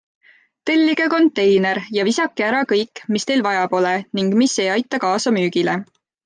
Tellige konteiner ja visake ära kõik, mida teil vaja pole ning mis ei aita kaasa müügile.